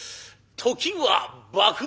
「時は幕末！」